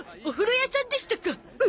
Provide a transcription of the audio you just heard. お風呂屋さんでしたか。